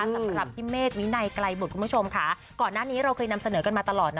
สำหรับพี่เมฆวินัยไกลบุตรคุณผู้ชมค่ะก่อนหน้านี้เราเคยนำเสนอกันมาตลอดนะ